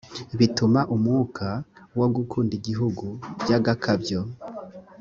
bituma umwuka wo gukunda igihugu by agakabyo